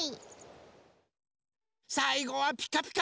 さいごは「ピカピカブ！」です。